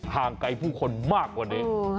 ห่างไกลผู้คนมากกว่านี้